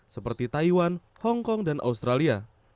seperti taiwan hong kong dan australia